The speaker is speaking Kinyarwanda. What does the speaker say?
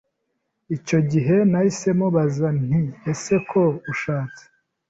icyo gihe nahise mubaza nti ese ko ushatse